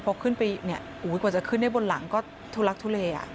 พอขึ้นไปกว่าจะขึ้นได้บนหลังก็ทุลักษณ์ทุเลอ่ะ